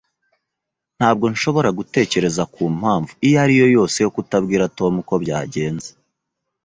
Ntabwo nshobora gutekereza ku mpamvu iyo ari yo yose yo kutabwira Tom uko byagenze.